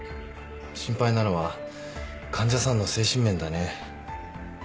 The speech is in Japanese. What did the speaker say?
心配なのは患者さんの精神面だね。